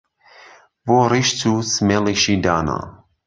بۆ ڕیش چوو سمێڵیشی دانا